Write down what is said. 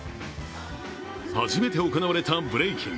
初めて行われたブレイキン。